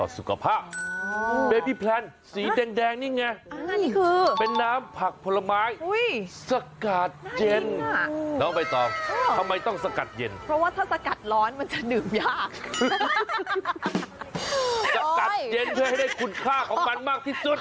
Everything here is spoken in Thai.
สกัดเย็นเพื่อให้ได้คุณค่าของมันมากที่สุด